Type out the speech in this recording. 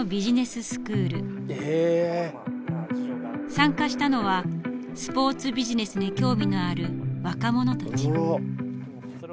参加したのはスポーツビジネスに興味のある若者たち。